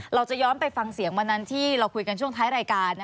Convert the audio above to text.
เราจะย้อนไปฟังเสียงวันนั้นที่เราคุยกันช่วงท้ายรายการ